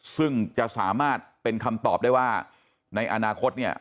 ซึ่งจะสามารถเป็นคำตอบได้ว่าในอนาคตเนี่ย